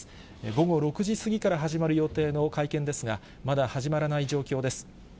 午後６時過ぎから始まる予定の会見ですが、まだ始まらない状況です。